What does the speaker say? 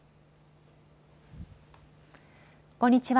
こんにちは。